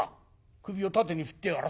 首を縦に振ってやら。